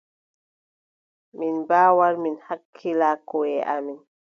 Min mbaawan min hakkila koʼe amin.